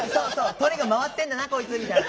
とにかく回ってんだなこいつみたいな。